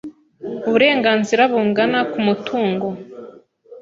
uburenganzira bungana ku mutungo